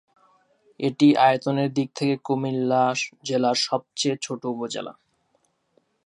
এটি আয়তনের দিক থেকে কুমিল্লা জেলার সবচেয়ে ছোট উপজেলা।